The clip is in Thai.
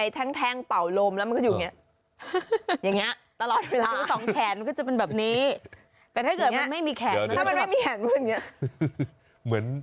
ถ้าเกิดมันไม่มีแขนมันก็จะแบบ